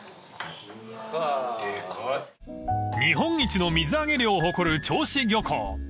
［日本一の水揚げ量を誇る銚子漁港］